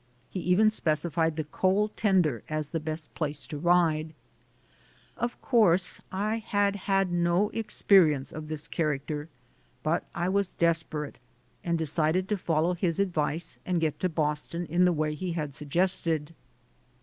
He even specified the coal tender as the best place to ride. Of course 112 THE SOUL OF AN IMMIGRANT I had had no experience of this character, but I was desperate and decided to follow his advice and get to Boston in the way he had suggested.